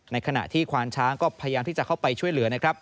ขณะที่ควานช้างก็พยายามที่จะเข้าไปช่วยเหลือนะครับ